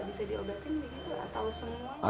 ada juga yang nggak bisa diobatin begitu atau semua